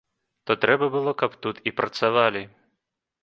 То трэба было, каб тут і працавалі.